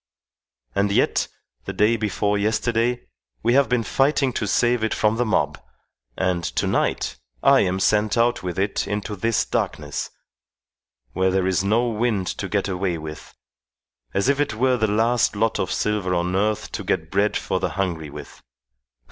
And yet, the day before yesterday, we have been fighting to save it from the mob, and to night I am sent out with it into this darkness, where there is no wind to get away with; as if it were the last lot of silver on earth to get bread for the hungry with.